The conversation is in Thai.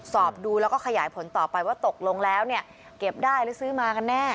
สอบดูแล้วก็ขยายผลต่อไปว่าตกลงแล้วเนี่ยเก็บได้หรือซื้อมากันแน่